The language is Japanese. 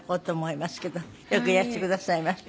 よくいらしてくださいました。